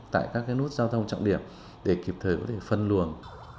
tại các nút giao thông trọng điểm để kịp thời có thể phân luồng